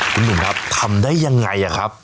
คุณหนุ่มครับทำได้ยังไงครับ